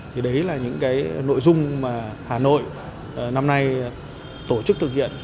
đấy là những nội dung mà hà nội năm nay tổ chức thực hiện